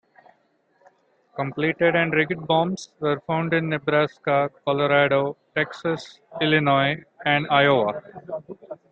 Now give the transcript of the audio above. Completed and rigged bombs were found in Nebraska, Colorado, Texas, Illinois and Iowa.